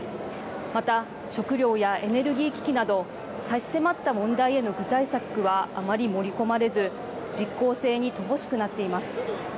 また、食料やエネルギー危機など差し迫った問題への具体策はあまり盛り込まれず実効性に乏しくなっています。